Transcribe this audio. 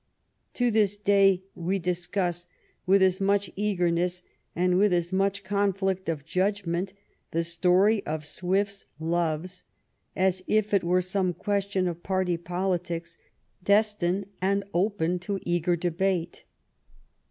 To this day we discuss with as much eagerness and with as much con flict of judgment the story of Swift's loves, as if it were some question of party politics destined and open to eager debate.